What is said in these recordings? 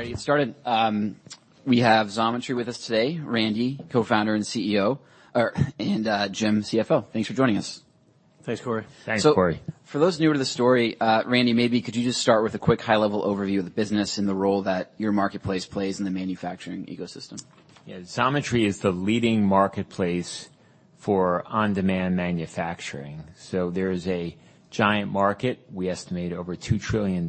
All right. Ready to get started. We have Xometry with us today. Randy, Co-founder and CEO. Jim, CFO. Thanks for joining us. Thanks, Corey. Thanks, Corey. For those newer to the story, Randy, maybe could you just start with a quick high-level overview of the business and the role that your marketplace plays in the manufacturing ecosystem? Yeah. Xometry is the leading marketplace for on-demand manufacturing. There is a giant market. We estimate over $2 trillion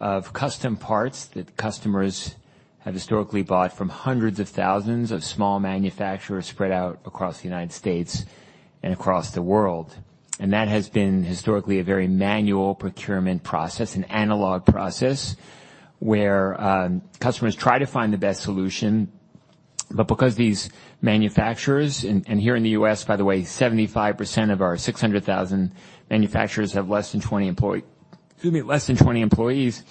of custom parts that customers have historically bought from hundreds of thousands of small manufacturers spread out across the United States and across the world. That has been historically a very manual procurement process, an analog process, where customers try to find the best solution. Because these manufacturers, and here in the U.S., by the way, 75% of our 600,000 manufacturers have less than 20 employees,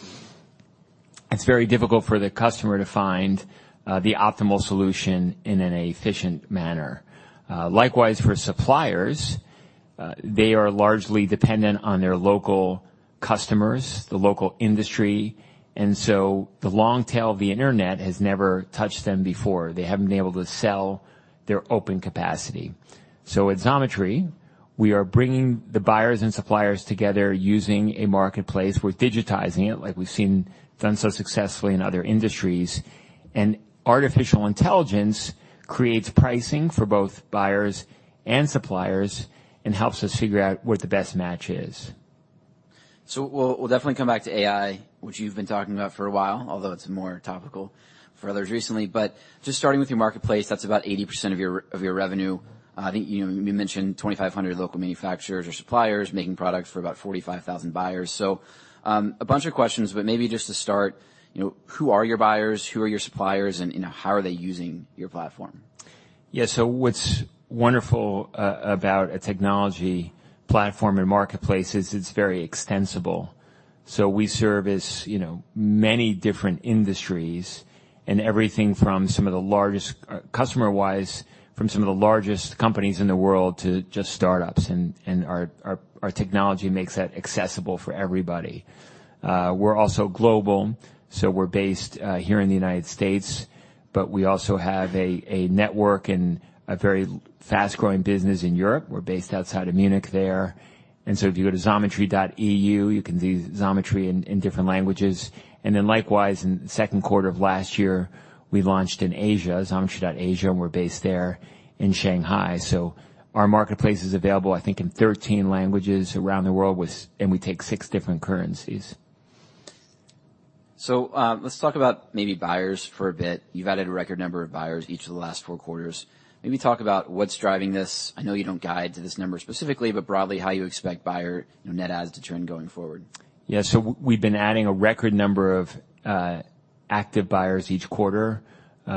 it's very difficult for the customer to find the optimal solution in an efficient manner. Likewise for suppliers, they are largely dependent on their local customers, the local industry, the long tail of the internet has never touched them before. They haven't been able to sell their open capacity. At Xometry, we are bringing the buyers and suppliers together using a marketplace. We're digitizing it, like we've seen done so successfully in other industries, Artificial Intelligence creates pricing for both buyers and suppliers and helps us figure out what the best match is. We'll definitely come back to AI, which you've been talking about for a while, although it's more topical for others recently. Just starting with your marketplace, that's about 80% of your revenue. I think, you know, you mentioned 2,500 local manufacturers or suppliers making products for about 45,000 buyers. A bunch of questions, but maybe just to start, you know, who are your buyers? Who are your suppliers? You know, how are they using your platform? Yeah. What's wonderful about a technology platform and marketplace is it's very extensible. We service, you know, many different industries and everything from some of the largest, customer-wise, from some of the largest companies in the world to just startups. Our technology makes that accessible for everybody. We're also global. We're based here in the United States, but we also have a network and a very fast-growing business in Europe. We're based outside of Munich there. If you go to xometry.eu, you can view Xometry in different languages. Likewise, in the second quarter of last year, we launched in Asia, xometry.asia, and we're based there in Shanghai. Our marketplace is available I think in 13 languages around the world. We take six different currencies. Let's talk about maybe buyers for a bit. You've added a record number of buyers each of the last four quarters. Maybe talk about what's driving this. I know you don't guide to this number specifically, but broadly how you expect buyer, you know, net adds to trend going forward. We've been adding a record number of active buyers each quarter. You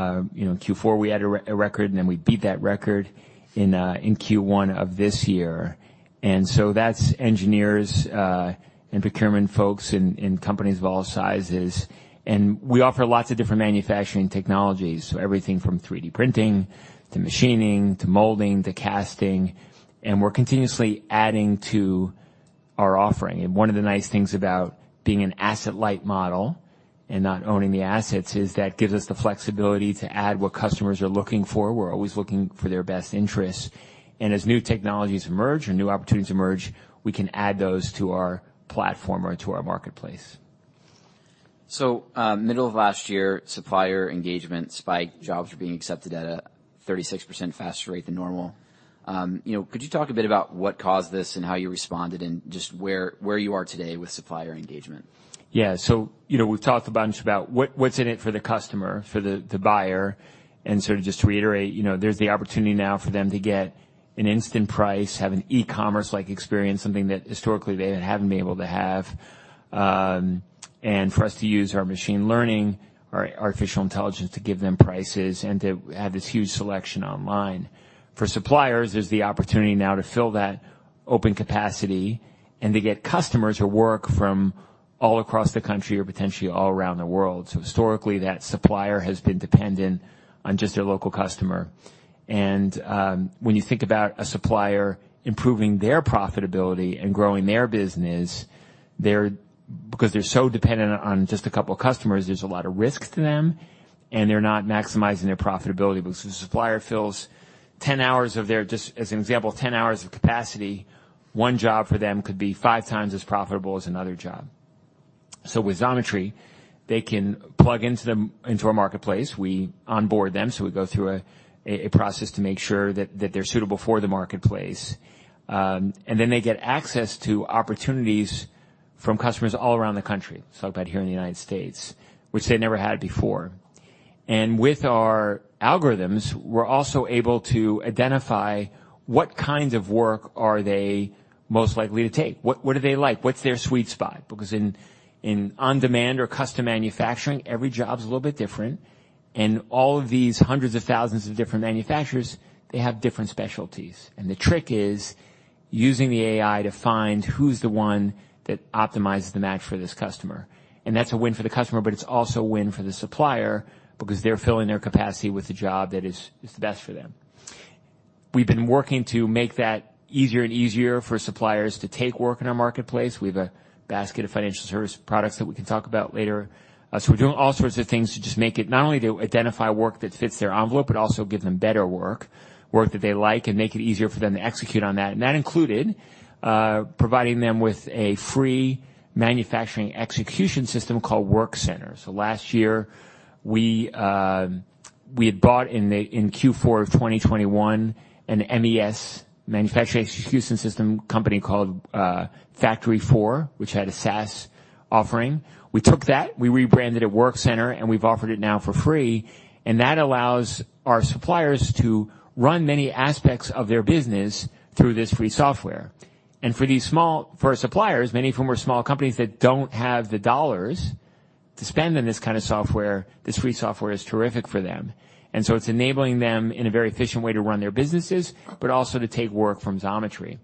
know, in Q4 we had a record, and then we beat that record in Q1 of this year. That's engineers and procurement folks in companies of all sizes. We offer lots of different manufacturing technologies. Everything from 3D printing to machining to molding to casting, and we're continuously adding to our offering. One of the nice things about being an asset-light model and not owning the assets is that gives us the flexibility to add what customers are looking for. We're always looking for their best interests. As new technologies emerge or new opportunities emerge, we can add those to our platform or to our marketplace. Middle of last year, supplier engagement spiked. Jobs were being accepted at a 36% faster rate than normal. You know, could you talk a bit about what caused this and how you responded and just where you are today with supplier engagement? Yeah. You know, we've talked a bunch about what's in it for the customer, for the buyer, and sort of just to reiterate, you know, there's the opportunity now for them to get an instant price, have an e-commerce-like experience, something that historically they haven't been able to have. And for us to use our machine learning, our artificial intelligence to give them prices and to have this huge selection online. For suppliers, there's the opportunity now to fill that open capacity and to get customers or work from all across the country or potentially all around the world. Historically, that supplier has been dependent on just their local customer. When you think about a supplier improving their profitability and growing their business, because they're so dependent on just a couple of customers, there's a lot of risk to them, and they're not maximizing their profitability. If a supplier fills 10 hours of their, just as an example, 10 hours of capacity, one job for them could be 5x as profitable as another job. With Xometry, they can plug into our marketplace. We onboard them, so we go through a process to make sure that they're suitable for the marketplace. They get access to opportunities from customers all around the country, so about here in the United States, which they never had before. With our algorithms, we're also able to identify what kinds of work are they most likely to take. What do they like? What's their sweet spot? Because in on-demand or custom manufacturing, every job's a little bit different. All of these hundreds of thousands of different manufacturers, they have different specialties. The trick is using the AI to find who's the one that optimizes the match for this customer. That's a win for the customer, but it's also a win for the supplier because they're filling their capacity with the job that is the best for them. We've been working to make that easier and easier for suppliers to take work in our marketplace. We have a basket of Financial Services products that we can talk about later. We're doing all sorts of things to just make it not only to identify work that fits their envelope, but also give them better work that they like, and make it easier for them to execute on that. That included providing them with a free Manufacturing Execution System called Workcenter. Last year, we had bought in Q4 of 2021 an MES, Manufacturing Execution System company called FactoryFour, which had a SaaS offering. We took that, we rebranded it Workcenter, and we've offered it now for free, and that allows our suppliers to run many aspects of their business through this free software. For our suppliers, many of whom are small companies that don't have the dollars to spend on this kind of software, this free software is terrific for them. It's enabling them in a very efficient way to run their businesses, but also to take work from Xometry.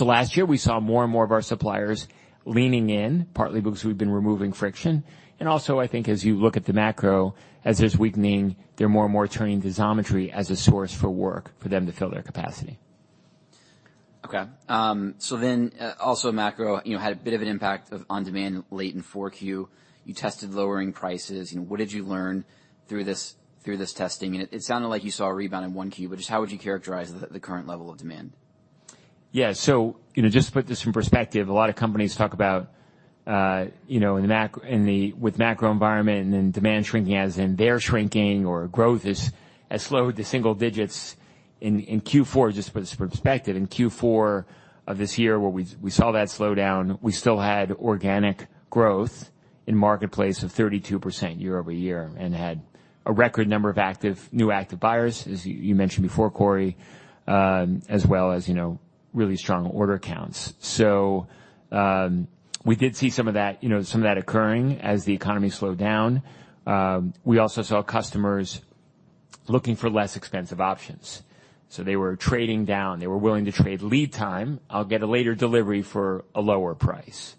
Last year we saw more and more of our suppliers leaning in, partly because we've been removing friction. Also I think as you look at the macro, as there's weakening, they're more and more turning to Xometry as a source for work for them to fill their capacity. Okay. Also macro, you know, had a bit of an impact of on-demand late in 4Q. You tested lowering prices. You know, what did you learn through this testing? It sounded like you saw a rebound in 1Q, but just how would you characterize the current level of demand? You know, just to put this in perspective, a lot of companies talk about, you know, in the macro environment and then demand shrinking as in their shrinking or growth has slowed to single digits. In Q4, just for perspective, in Q4 of this year where we saw that slowdown, we still had organic growth in marketplace of 32% year-over-year and had a record number of active, new active buyers, as you mentioned before, Corey, as well as, you know, really strong order counts. We did see some of that occurring as the economy slowed down. We also saw customers looking for less expensive options. They were trading down. They were willing to trade lead time. I'll get a later delivery for a lower price.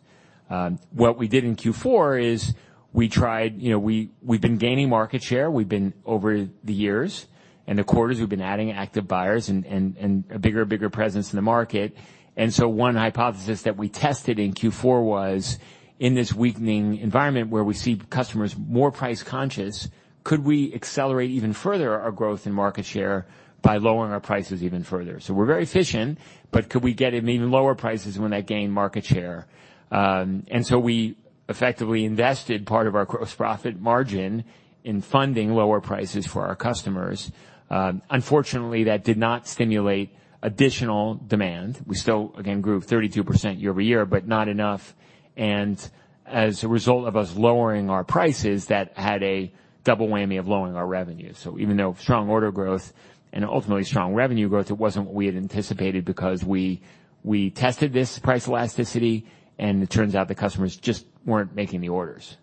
What we did in Q4 is we tried. You know, we've been gaining market share. We've been over the years and the quarters, we've been adding active buyers and a bigger and bigger presence in the market. One hypothesis that we tested in Q4 was, in this weakening environment where we see customers more price conscious, could we accelerate even further our growth in market share by lowering our prices even further? We're very efficient, but could we get even lower prices when I gain market share? We effectively invested part of our gross profit margin in funding lower prices for our customers. Unfortunately, that did not stimulate additional demand. We still, again, grew 32% year-over-year, but not enough. As a result of us lowering our prices, that had a double whammy of lowering our revenue. Even though strong order growth and ultimately strong revenue growth, it wasn't what we had anticipated because we tested this price elasticity, and it turns out the customers just weren't making the orders.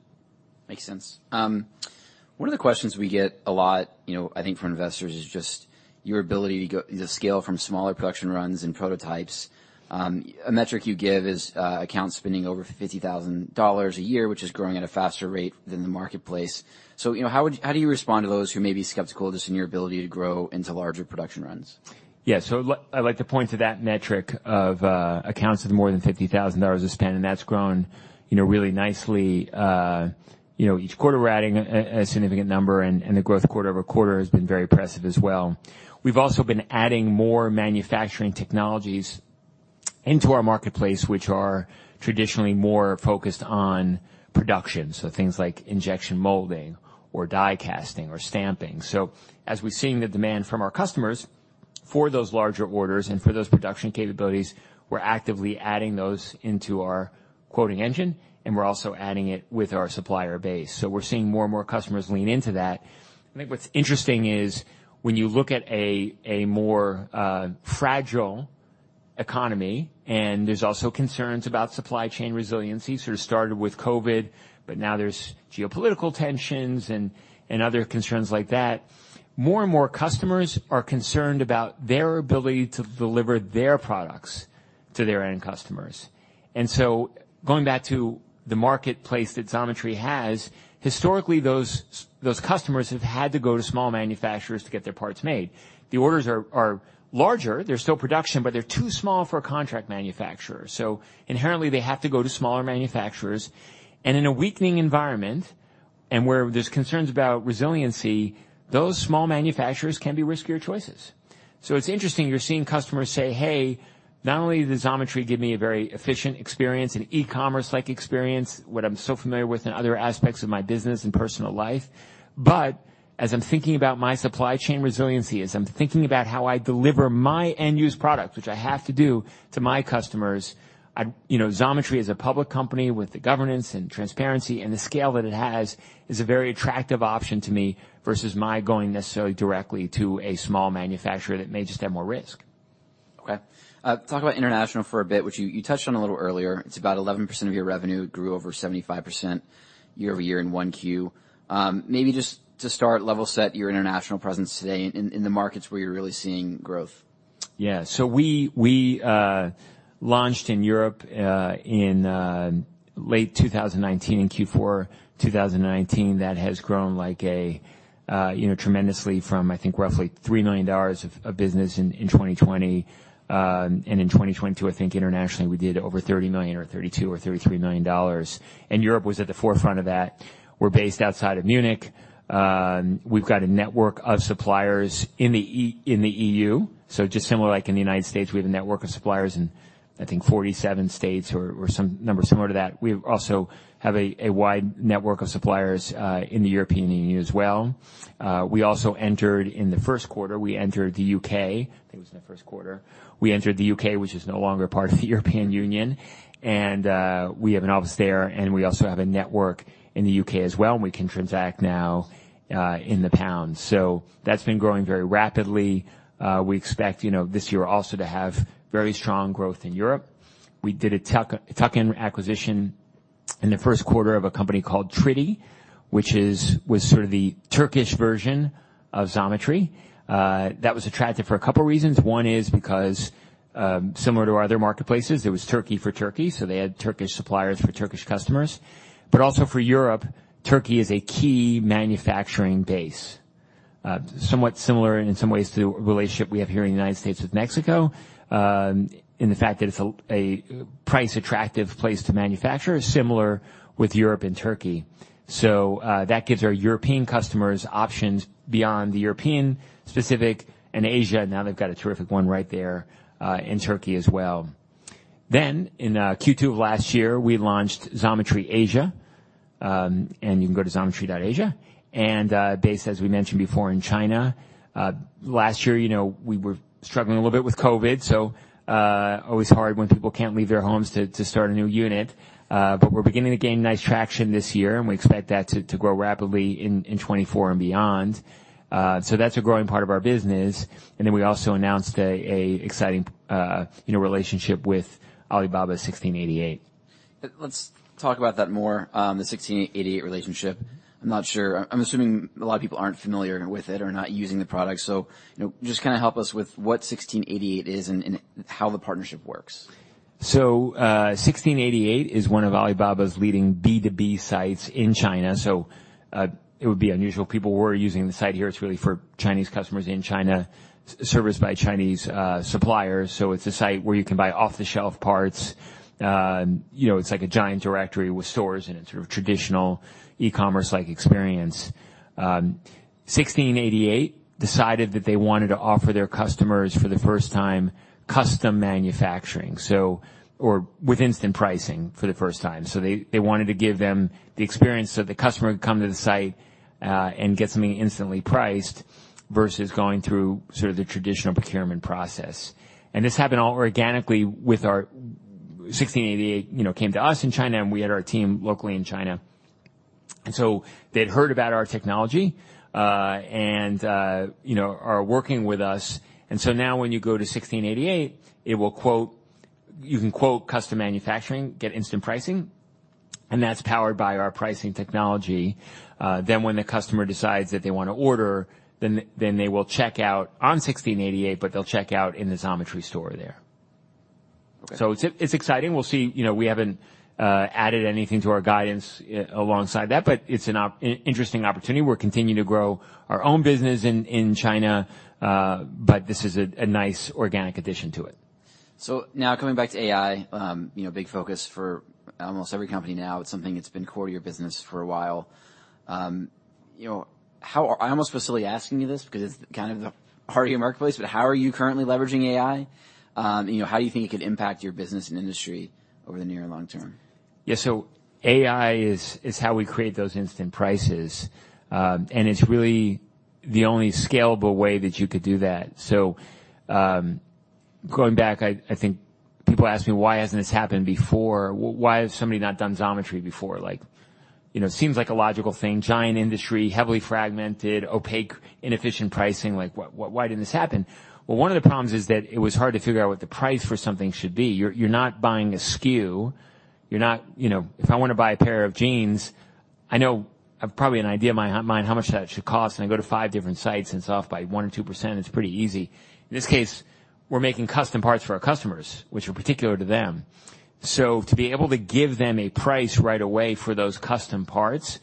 Makes sense. One of the questions we get a lot, you know, I think from investors, is just your ability to scale from smaller production runs and prototypes. A metric you give is accounts spending over $50,000 a year, which is growing at a faster rate than the marketplace. You know, how do you respond to those who may be skeptical of this and your ability to grow into larger production runs? I'd like to point to that metric of accounts with more than $50,000 of spend, and that's grown, you know, really nicely. You know, each quarter, we're adding a significant number, and the growth quarter-over-quarter has been very impressive as well. We've also been adding more manufacturing technologies into our marketplace, which are traditionally more focused on production, so things like injection molding or die casting or stamping. As we're seeing the demand from our customers for those larger orders and for those production capabilities, we're actively adding those into our quoting engine, and we're also adding it with our supplier base. We're seeing more and more customers lean into that. I think what's interesting is when you look at a more fragile economy, there's also concerns about supply chain resiliency, sort of started with COVID, but now there's geopolitical tensions and other concerns like that. More and more customers are concerned about their ability to deliver their products to their end customers. Going back to the marketplace that Xometry has, historically, those customers have had to go to small manufacturers to get their parts made. The orders are larger, they're still production, but they're too small for a contract manufacturer. Inherently, they have to go to smaller manufacturers. In a weakening environment, and where there's concerns about resiliency, those small manufacturers can be riskier choices. It's interesting, you're seeing customers say, "Hey, not only does Xometry give me a very efficient experience, an e-commerce-like experience, what I'm so familiar with in other aspects of my business and personal life, but as I'm thinking about my supply chain resiliency, as I'm thinking about how I deliver my end-use product, which I have to do to my customers, you know, Xometry as a public company with the governance and transparency and the scale that it has, is a very attractive option to me versus my going necessarily directly to a small manufacturer that may just have more risk. Talk about international for a bit, which you touched on a little earlier. It's about 11% of your revenue. It grew over 75% year-over-year in 1Q. Maybe just to start, level set your international presence today in the markets where you're really seeing growth. We launched in Europe in late 2019, in Q4 2019. That has grown like a, you know, tremendously from, I think, roughly $3 million of business in 2020. In 2022, I think internationally, we did over $30 million or $32 million or $33 million. Europe was at the forefront of that. We're based outside of Munich. We've got a network of suppliers in the EU. Just similar like in the United States, we have a network of suppliers in, I think, 47 states or some number similar to that. We also have a wide network of suppliers in the European Union as well. We also entered, in the first quarter, we entered the U.K. I think it was in the first quarter. We entered the U.K., which is no longer part of the European Union. We have an office there, and we also have a network in the U.K. as well, and we can transact now in the pound. That's been growing very rapidly. We expect, you know, this year also to have very strong growth in Europe. We did a tuck-in acquisition in the first quarter of a company called Tridi, which was sort of the Turkish version of Xometry. That was attractive for a couple reasons. One is because similar to our other marketplaces, it was Turkey for Turkey, so they had Turkish suppliers for Turkish customers. Also for Europe, Turkey is a key manufacturing base. Somewhat similar in some ways to the relationship we have here in the United States with Mexico, in the fact that it's a price-attractive place to manufacture, similar with Europe and Turkey. That gives our European customers options beyond the European specific and Asia. They've got a terrific one right there in Turkey as well. In Q2 of last year, we launched Xometry Asia. You can go to xometry.asia, based, as we mentioned before, in China. Last year, you know, we were struggling a little bit with COVID, always hard when people can't leave their homes to start a new unit. We're beginning to gain nice traction this year. We expect that to grow rapidly in 2024 and beyond. That's a growing part of our business. And then we also announced a exciting, uh, you know, relationship with Alibaba 1688. Let's talk about that more, um, the 1688 relationship. I'm not sure. I'm assuming a lot of people aren't familiar with it or not using the product. So, you know, just kinda help us with what 1688 is and how the partnership works. 1688 is one of Alibaba's leading B2B sites in China. It would be unusual. People were using the site here. It's really for Chinese customers in China, serviced by Chinese suppliers. It's a site where you can buy off-the-shelf parts. You know, it's like a giant directory with stores in it, sort of traditional e-commerce-like experience. 1688 decided that they wanted to offer their customers for the first time, custom manufacturing, or with instant pricing for the first time. They wanted to give them the experience, so the customer would come to the site and get something instantly priced versus going through sort of the traditional procurement process. This happened all organically with 1688, you know, came to us in China, and we had our team locally in China. They'd heard about our technology, and, you know, are working with us. When you go to 1688.com, you can quote custom manufacturing, get instant pricing, and that's powered by our pricing technology. When the customer decides that they wanna order, then they will check out on 1688.com, but they'll check out in the Xometry store there. Okay. It's exciting. We'll see. You know, we haven't added anything to our guidance alongside that, but it's an interesting opportunity. We're continuing to grow our own business in China, but this is a nice organic addition to it. Now coming back to AI, you know, big focus for almost every company now. It's something that's been core to your business for a while. You know, I almost feel silly asking you this because it's kind of the heart of your marketplace, but how are you currently leveraging AI? You know, how do you think it could impact your business and industry over the near and long term? Yeah. AI is how we create those instant prices, and it's really the only scalable way that you could do that. Going back, I think people ask me, "Why hasn't this happened before? Why has somebody not done Xometry before?" Like, you know, seems like a logical thing. Giant industry, heavily fragmented, opaque, inefficient pricing. Like, why didn't this happen? One of the problems is that it was hard to figure out what the price for something should be. You're not buying a SKU. You're not. You know, if I wanna buy a pair of jeans, I know. I've probably an idea in my how much that should cost, and I go to five different sites, and it's off by 1% or 2%. It's pretty easy. In this case, we're making custom parts for our customers, which are particular to them. To be able to give them a price right away for those custom parts,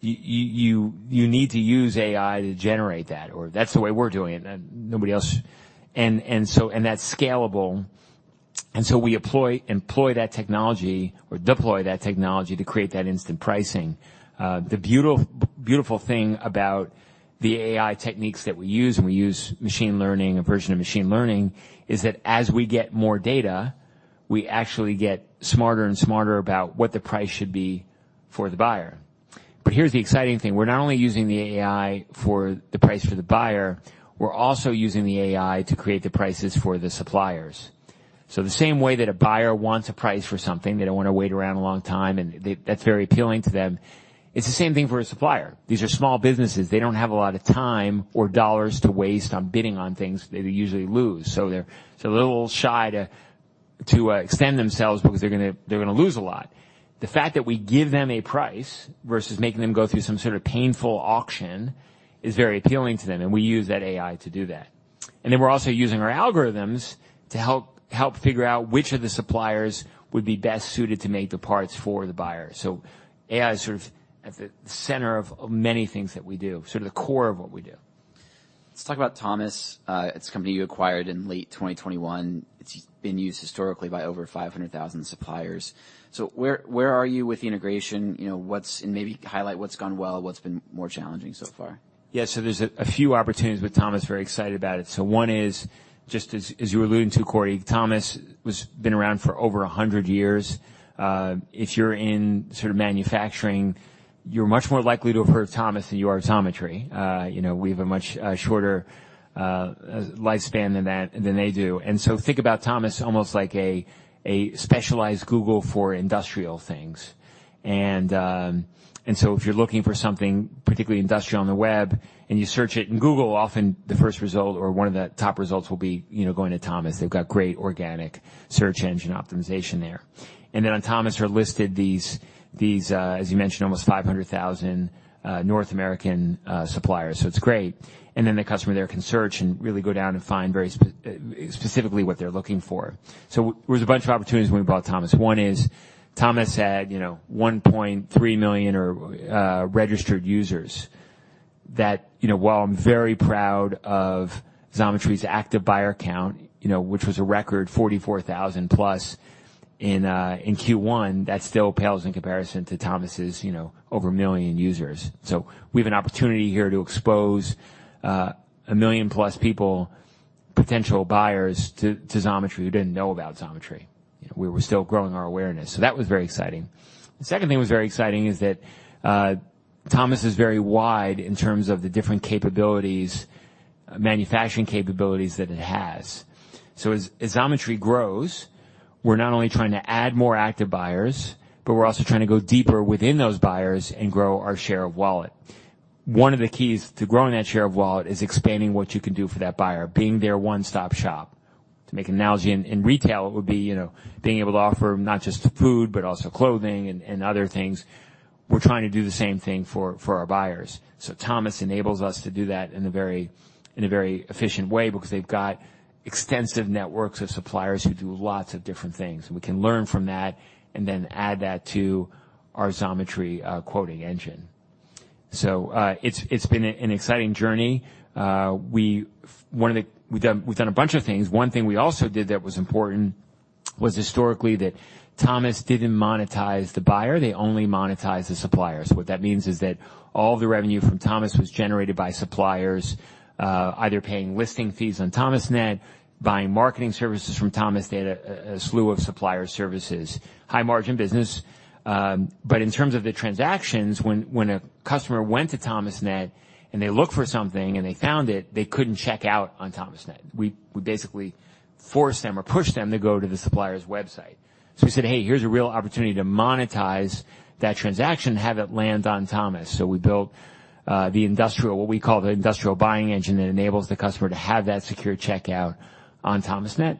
you need to use AI to generate that, or that's the way we're doing it. nobody else. That's scalable. We employ that technology or deploy that technology to create that instant pricing. The beautiful thing about the AI techniques that we use, and we use machine learning, a version of machine learning, is that as we get more data, we actually get smarter and smarter about what the price should be for the buyer. Here's the exciting thing. We're not only using the AI for the price for the buyer, we're also using the AI to create the prices for the suppliers. The same way that a buyer wants a price for something, they don't wanna wait around a long time, and that's very appealing to them, it's the same thing for a supplier. These are small businesses. They don't have a lot of time or dollars to waste on bidding on things they usually lose, so they're a little shy to extend themselves because they're gonna, they're gonna lose a lot. The fact that we give them a price versus making them go through some sort of painful auction is very appealing to them, and we use that AI to do that. Then we're also using our algorithms to help figure out which of the suppliers would be best suited to make the parts for the buyer. AI is sort of at the center of many things that we do, sort of the core of what we do. Let's talk about Thomas. It's a company you acquired in late 2021. It's been used historically by over 500,000 suppliers. Where are you with the integration? You know, and maybe highlight what's gone well, what's been more challenging so far? Yeah. There's a few opportunities with Thomas. Very excited about it. One is, just as you're alluding to, Corey, Thomas was been around for over 100 years. If you're in sort of manufacturing, you're much more likely to have heard of Thomas than you are Xometry. You know, we have a much shorter lifespan than that, than they do. Think about Thomas almost like a specialized Google for industrial things. If you're looking for something particularly industrial on the web, and you search it in Google, often the first result or one of the top results will be, you know, going to Thomas. They've got great organic search engine optimization there. On Thomas are listed these, as you mentioned, almost 500,000 North American suppliers. It's great. The customer there can search and really go down and find very specifically what they're looking for. There was a bunch of opportunities when we bought Thomas. One is Thomas had, you know, 1.3 million or registered users that, you know, while I'm very proud of Xometry's active buyer count, you know, which was a record 44,000+ in Q1, that still pales in comparison to Thomas's, you know, over 1 million users. We have an opportunity here to expose 1 million+ people, potential buyers to Xometry who didn't know about Xometry. We were still growing our awareness. That was very exciting. The second thing that was very exciting is that Thomas is very wide in terms of the different capabilities, manufacturing capabilities that it has. As Xometry grows, we're not only trying to add more active buyers, but we're also trying to go deeper within those buyers and grow our share of wallet. One of the keys to growing that share of wallet is expanding what you can do for that buyer, being their one-stop shop. To make analogy, in retail, it would be, you know, being able to offer not just food, but also clothing and other things. We're trying to do the same thing for our buyers. Thomas enables us to do that in a very efficient way because they've got extensive networks of suppliers who do lots of different things. We can learn from that and add that to our Xometry quoting engine. It's been an exciting journey. We've done a bunch of things. One thing we also did that was important was historically that Thomas didn't monetize the buyer. They only monetized the supplier. What that means is that all the revenue from Thomas was generated by suppliers, either paying listing fees on ThomasNet, buying marketing services from Thomas, they had a slew of supplier services, high margin business. In terms of the transactions, when a customer went to ThomasNet and they looked for something and they found it, they couldn't check out on ThomasNet. We basically forced them or pushed them to go to the supplier's website. We said, "Hey, here's a real opportunity to monetize that transaction, have it land on Thomas." We built what we call the Industrial Buying Engine that enables the customer to have that secure checkout on ThomasNet.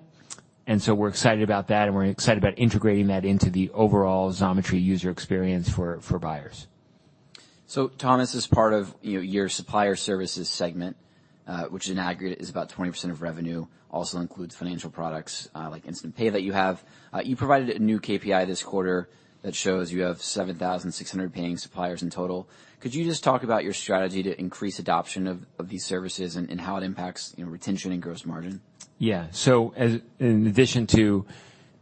We're excited about that, and we're excited about integrating that into the overall Xometry user experience for buyers. Thomas is part of, you know, your supplier services segment, which in aggregate is about 20% of revenue, also includes financial products, like Instant Pay that you have. You provided a new KPI this quarter that shows you have 7,600 paying suppliers in total. Could you just talk about your strategy to increase adoption of these services and how it impacts, you know, retention and gross margin? In addition to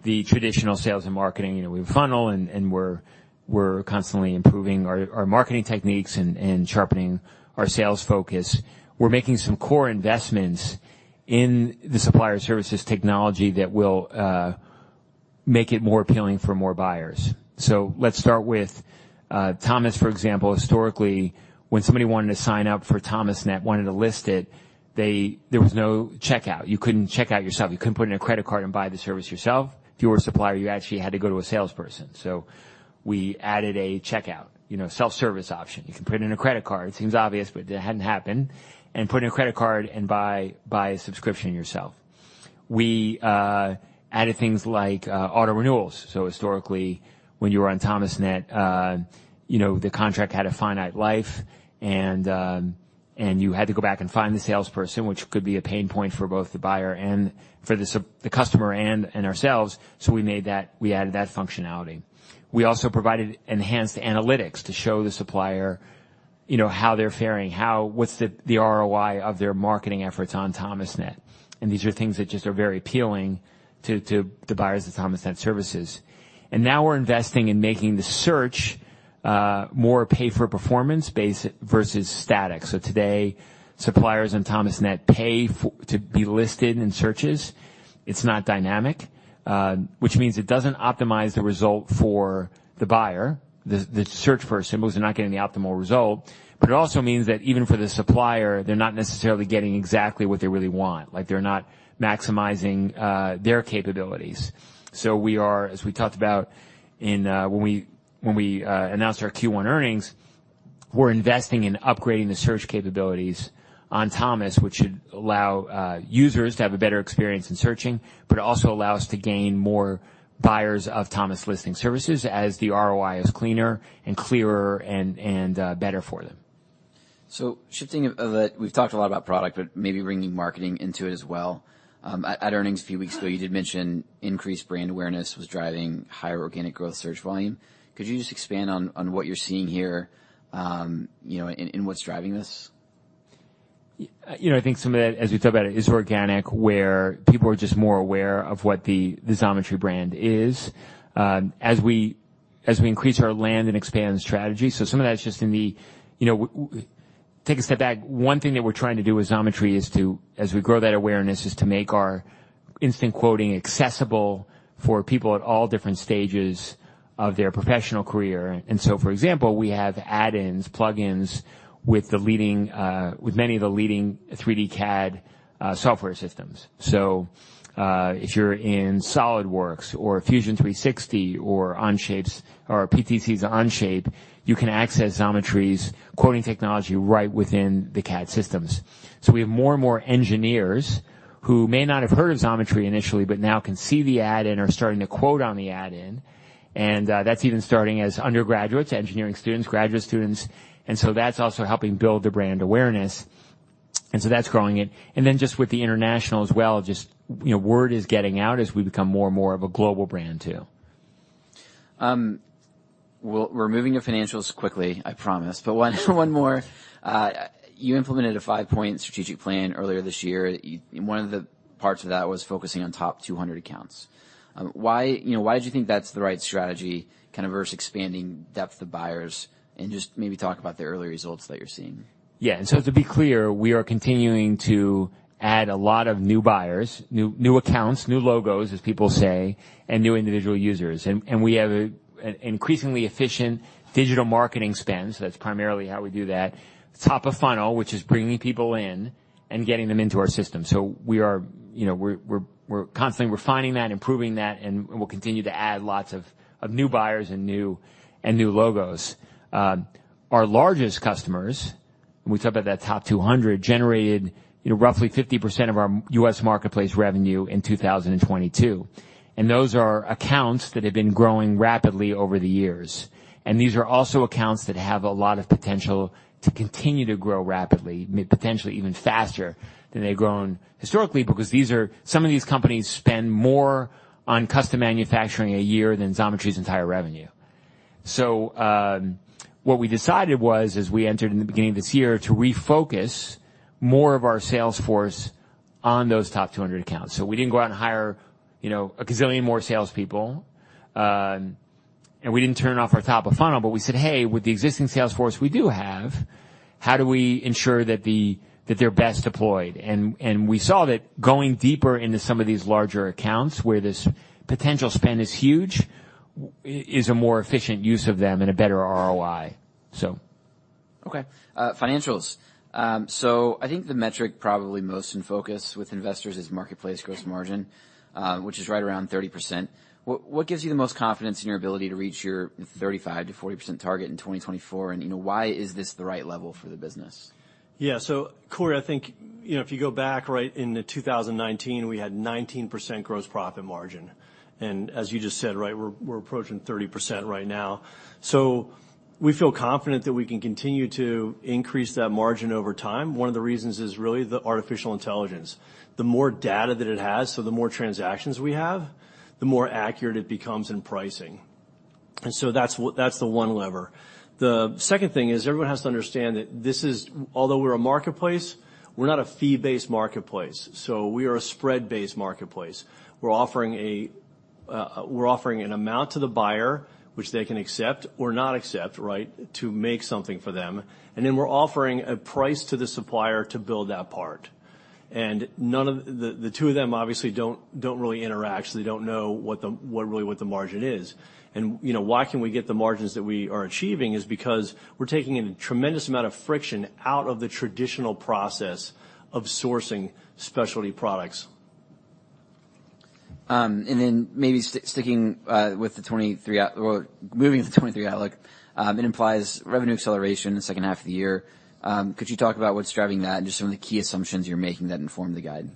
the traditional sales and marketing, you know, we have funnel, and we're constantly improving our marketing techniques and sharpening our sales focus. We're making some core investments in the supplier services technology that will make it more appealing for more buyers. Let's start with Thomas, for example. Historically, when somebody wanted to sign up for ThomasNet, wanted to list it, there was no checkout. You couldn't check out yourself. You couldn't put in a credit card and buy the service yourself. If you were a supplier, you actually had to go to a salesperson. We added a checkout, you know, self-service option. You can put in a credit card. It seems obvious, but it hadn't happened. Put in a credit card and buy a subscription yourself. We added things like auto-renewals. Historically, when you were on ThomasNet, you know, the contract had a finite life, and you had to go back and find the salesperson, which could be a pain point for both the buyer and for the customer and ourselves. We added that functionality. We also provided enhanced analytics to show the supplier, you know, how they're faring, what's the ROI of their marketing efforts on ThomasNet. These are things that just are very appealing to buyers of ThomasNet services. Now we're investing in making the search more pay for performance versus static. Today, suppliers on ThomasNet pay to be listed in searches. It's not dynamic, which means it doesn't optimize the result for the buyer. The search for assemblies are not getting the optimal result. It also means that even for the supplier, they're not necessarily getting exactly what they really want. Like, they're not maximizing their capabilities. We are, as we talked about in when we, when we announced our Q1 earnings. We're investing in upgrading the search capabilities on Thomas, which should allow users to have a better experience in searching. It also allow us to gain more buyers of Thomas listing services as the ROI is cleaner and clearer and better for them. Shifting we've talked a lot about product, but maybe bringing marketing into it as well. At earnings a few weeks ago, you did mention increased brand awareness was driving higher organic growth search volume. Could you just expand on what you're seeing here, you know, and what's driving this? You know, I think some of that, as we talk about it, is organic, where people are just more aware of what the Xometry brand is. As we increase our land and expand strategy, so some of that is just in the, you know, Take a step back. One thing that we're trying to do with Xometry is to, as we grow that awareness, is to make our instant quoting accessible for people at all different stages of their professional career. For example, we have add-ins, plugins with the leading, with many of the leading 3D CAD software systems. If you're in SOLIDWORKS or Fusion 360 or Onshape or PTC's Onshape, you can access Xometry's quoting technology right within the CAD systems. We have more and more engineers who may not have heard of Xometry initially, but now can see the add-in, are starting to quote on the add-in. That's even starting as undergraduates, engineering students, graduate students. That's also helping build the brand awareness. That's growing it. Just with the international as well, just, you know, word is getting out as we become more and more of a global brand too. We're moving to financials quickly, I promise. One more. You implemented a five-point strategic plan earlier this year. One of the parts of that was focusing on top 200 accounts. Why, you know, why'd you think that's the right strategy kinda versus expanding depth of buyers? Just maybe talk about the early results that you're seeing. Yeah. To be clear, we are continuing to add a lot of new buyers, new accounts, new logos, as people say, and new individual users. We have an increasingly efficient digital marketing spend, that's primarily how we do that. Top of funnel, which is bringing people in and getting them into our system. We are, you know, we're constantly refining that, improving that, and we'll continue to add lots of new buyers and new logos. Our largest customers, when we talk about that top 200, generated, you know, roughly 50% of our U.S. marketplace revenue in 2022. Those are accounts that have been growing rapidly over the years. These are also accounts that have a lot of potential to continue to grow rapidly, potentially even faster than they've grown historically, because some of these companies spend more on custom manufacturing a year than Xometry's entire revenue. What we decided was, as we entered in the beginning of this year, to refocus more of our sales force on those top 200 accounts. We didn't go out and hire, you know, a gazillion more salespeople, and we didn't turn off our top of funnel, but we said, "Hey, with the existing sales force we do have, how do we ensure that they're best deployed?" We saw that going deeper into some of these larger accounts where this potential spend is huge, is a more efficient use of them and a better ROI. Okay. financials. I think the metric probably most in focus with investors is marketplace gross margin, which is right around 30%. What gives you the most confidence in your ability to reach your 35%-40% target in 2024? You know, why is this the right level for the business? Yeah. Corey, I think, you know, if you go back right into 2019, we had 19% gross profit margin. As you just said, right, we're approaching 30% right now. We feel confident that we can continue to increase that margin over time. One of the reasons is really the Artificial Intelligence. The more data that it has, so the more transactions we have, the more accurate it becomes in pricing. That's the one lever. The second thing is, everyone has to understand that although we're a marketplace, we're not a fee-based marketplace. We are a spread-based marketplace. We're offering an amount to the buyer, which they can accept or not accept, right, to make something for them. We're offering a price to the supplier to build that part. The two of them obviously don't really interact, so they don't know what really what the margin is. You know, why can we get the margins that we are achieving is because we're taking a tremendous amount of friction out of the traditional process of sourcing specialty products. maybe sticking or moving into 2023 outlook, it implies revenue acceleration in the second half of the year. Could you talk about what's driving that and just some of the key assumptions you're making that inform the guide?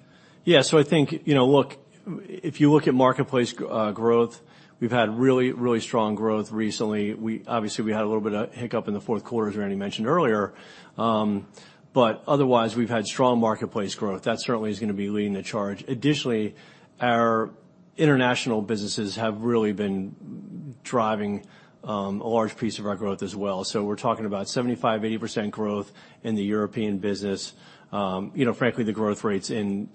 Yeah. I think, you know, look, if you look at marketplace growth, we've had really, really strong growth recently. Obviously, we had a little bit of hiccup in the fourth quarter, as Randy mentioned earlier. But otherwise, we've had strong marketplace growth. That certainly is gonna be leading the charge. Additionally, our international businesses have really been driving a large piece of our growth as well. We're talking about 75%-80% growth in the European business. Frankly, you know, the growth rates in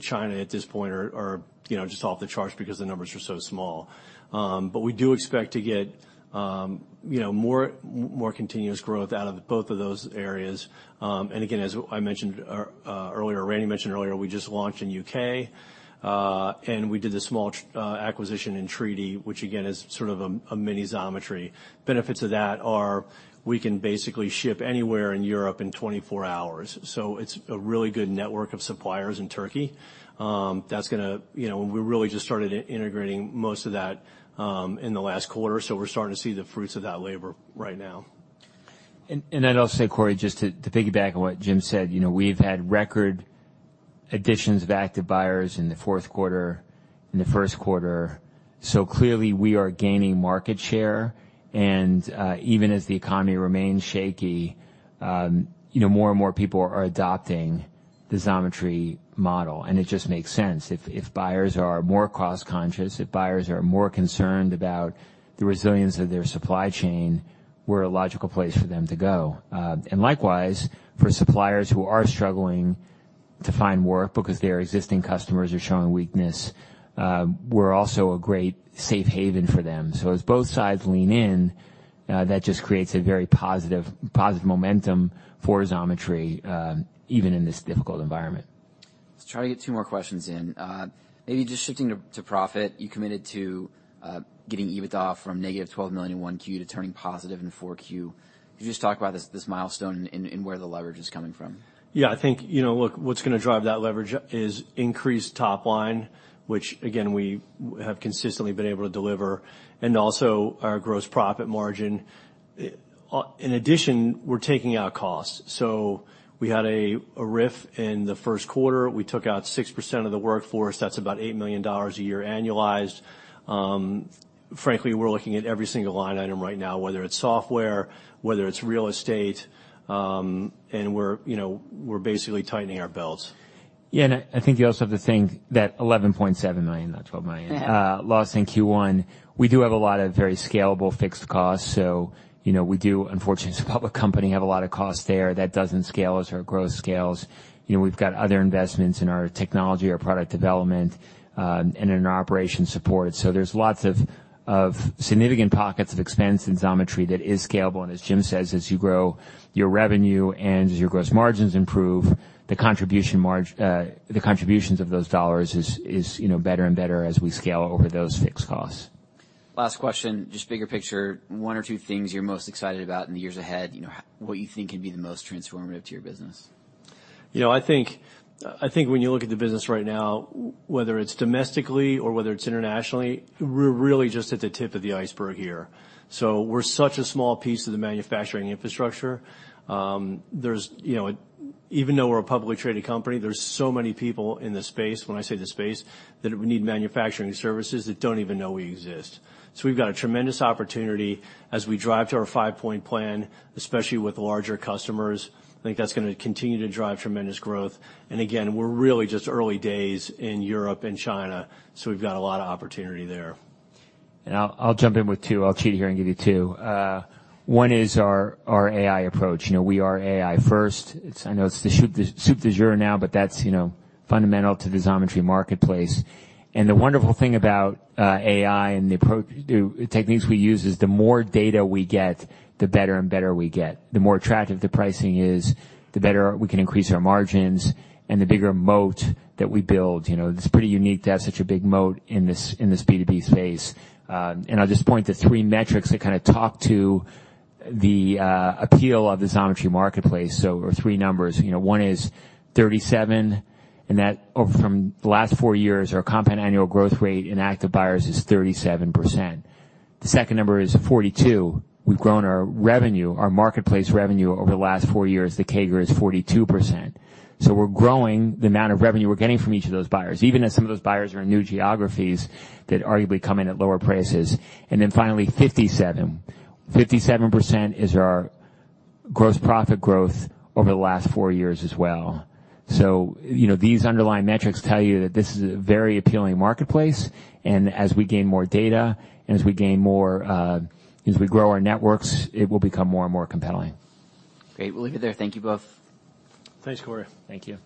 China at this point are, you know, just off the charts because the numbers are so small. But we do expect to get, you know, continuous growth out of both of those areas. And again, as I mentioned earlier, Randy mentioned earlier, we just launched in U.K., and we did a small acquisition in Tridi, which again, is sort of a mini Xometry. Benefits of that are we can basically ship anywhere in Europe in 24 hours. It's a really good network of suppliers in Turkey. That's gonna, you know, we really just started integrating most of that, in the last quarter, so we're starting to see the fruits of that labor right now. I'd also say, Corey, just to piggyback on what Jim said, you know, we've had record additions of active buyers in the fourth quarter, in the first quarter. Clearly we are gaining market share. Even as the economy remains shaky, you know, more and more people are adopting the Xometry model, and it just makes sense. If buyers are more cost conscious, if buyers are more concerned about the resilience of their supply chain, we're a logical place for them to go. Likewise, for suppliers who are struggling to find work because their existing customers are showing weakness, we're also a great safe haven for them. As both sides lean in, that just creates a very positive momentum for Xometry, even in this difficult environment. Let's try to get two more questions in. Maybe just shifting to profit, you committed to getting EBITDA from -$12 million in 1Q to turning positive in 4Q. Could you just talk about this milestone and where the leverage is coming from? Yeah. I think, you know, look, what's gonna drive that leverage is increased top line, which again, we have consistently been able to deliver and also our gross profit margin. In addition, we're taking out costs. We had a RIF in the first quarter. We took out 6% of the workforce. That's about $8 million a year annualized. Frankly, we're looking at every single line item right now, whether it's software, whether it's real estate, and we're, you know, we're basically tightening our belts. Yeah. I think you also have to think that $11.7 million, not $12 million- Yeah... loss in Q1. We do have a lot of very scalable fixed costs. You know, we do, unfortunately, as a public company, have a lot of costs there that doesn't scale as our growth scales. You know, we've got other investments in our technology, our product development, and in our operation support. There's lots of significant pockets of expense in Xometry that is scalable. As Jim says, as you grow your revenue and as your gross margins improve, the contributions of those dollars is, you know, better and better as we scale over those fixed costs. Last question, just bigger picture. One or two things you're most excited about in the years ahead, you know, what you think can be the most transformative to your business? You know, I think when you look at the business right now, whether it's domestically or whether it's internationally, we're really just at the tip of the iceberg here. We're such a small piece of the manufacturing infrastructure. There's, you know, even though we're a publicly traded company, there's so many people in the space, when I say the space, that we need manufacturing services that don't even know we exist. We've got a tremendous opportunity as we drive to our five-point plan, especially with larger customers. I think that's gonna continue to drive tremendous growth. Again, we're really just early days in Europe and China, so we've got a lot of opportunity there. I'll jump in with two. I'll cheat here and give you two. One is our AI approach. You know, we are AI first. It's, I know it's the soup du jour now, but that's, you know, fundamental to the Xometry marketplace. The wonderful thing about AI and the techniques we use is the more data we get, the better and better we get. The more attractive the pricing is, the better we can increase our margins and the bigger moat that we build. You know, it's pretty unique to have such a big moat in this B2B space. I'll just point to three metrics that kinda talk to the appeal of the Xometry marketplace. Or three numbers. You know, one is 37, or from the last four years, our compound annual growth rate in active buyers is 37%. The second number is 42. We've grown our revenue, our marketplace revenue over the last four years. The CAGR is 42%. We're growing the amount of revenue we're getting from each of those buyers, even as some of those buyers are in new geographies that arguably come in at lower prices. Finally, 57. 57% is our gross profit growth over the last four years as well. You know, these underlying metrics tell you that this is a very appealing marketplace. As we gain more data and as we grow our networks, it will become more and more compelling. Great. We'll leave it there. Thank you both. Thanks, Corey. Thank you.